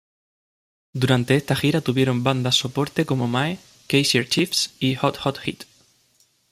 Durante esta gira tuvieron bandas soporte como Mae, Kaiser Chiefs y Hot Hot Heat.